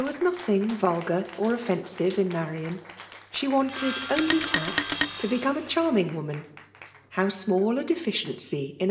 ivis ttothhig vulgar or offensive in Marian — she wanttd only tact to become a i&aiming womati Wiow mall A delifiifiiicj in.